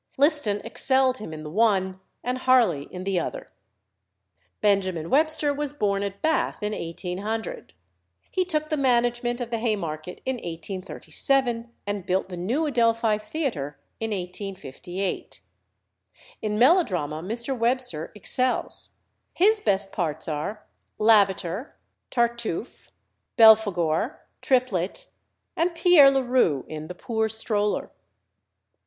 Liston excelled him in the one, and Harley in the other. Benjamin Webster was born at Bath in 1800. He took the management of the Haymarket in 1837, and built the New Adelphi Theatre in 1858. In melodrama Mr. Webster excels. His best parts are Lavater, Tartuffe, Belphegor, Triplet, and Pierre Leroux in "The Poor Stroller."